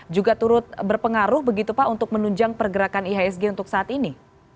juga turut berpengaruh begitu pak untuk menunjang pergerakan ihsg untuk saat ini